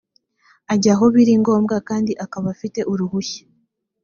ajya aho biri ngombwa kandi akaba afite uruhushya